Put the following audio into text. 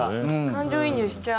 感情移入しちゃう。